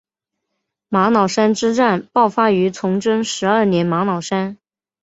玛瑙山之战爆发于崇祯十二年玛瑙山。